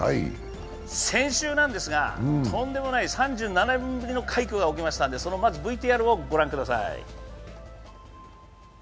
先週なんですがとんでもない３７年ぶりの快挙が起きましたんでまずはＶＴＲを御覧ください。